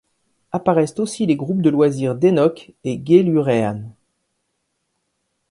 Apparaissent aussi les groupes de loisir Denok et Gailurrean.